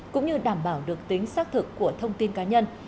cũng như đảm bảo được tính xác thực của thông tin cá nhân